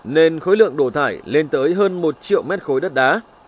nên khối lượng đổ thải lên tới hơn một triệu mét khối đất đá